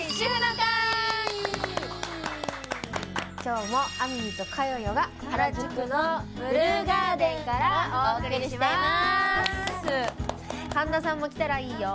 今日も亜美と佳代が原宿のブルーガーデンからお送りします！